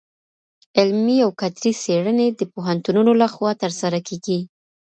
علمي او کدري څېړني د پوهنتونونو لخوا ترسره کيږي.